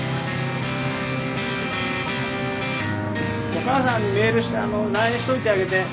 お母さんにメールしてＬＩＮＥしといてあげて。